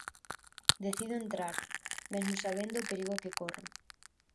Decido entrar, mesmo sabendo o perigo que corro.